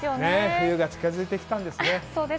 冬が近づいてきたんですね。